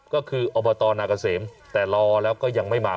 ก็คืออบตนาเกษมแต่รอแล้วก็ยังไม่มา